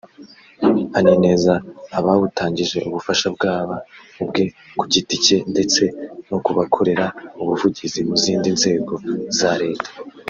anizeza abawutangije ubufasha bwaba ubwe ku giti cye ndetse no kubakorera ubuvugizi mu zindi nzego za Leta